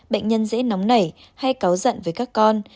bệnh nhân dễ nóng nảy hay cáo giận với các con